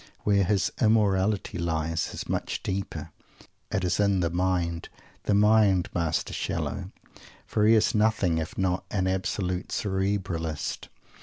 Where his "immorality" lies is much deeper. It is in the mind the mind, Master Shallow! for he is nothing if not an absolute "Cerebralist."